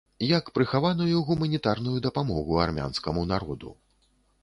Як прыхаваную гуманітарную дапамогу армянскаму народу.